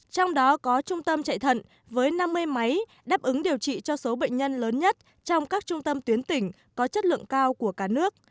trong đó có trung tâm chạy thận với năm mươi máy đáp ứng điều trị cho số bệnh nhân lớn nhất trong các trung tâm tuyến tỉnh có chất lượng cao của cả nước